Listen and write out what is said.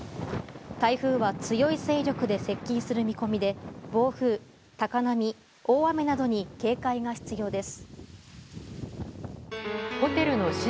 台風は強い勢力で接近する見込みで暴風、高波、大雨などに警戒が必要です。